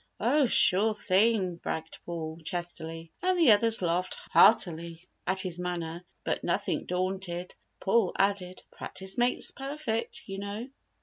"Oh sure thing!" bragged Paul, chestily. And the others laughed heartily at his manner, but nothing daunted, Paul added, "Practice makes perfect, you know."